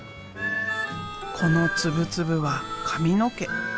この粒々は髪の毛。